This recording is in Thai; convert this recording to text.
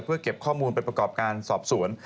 เพื่อเก็บข้อมูลไปประกอบการสอบสวน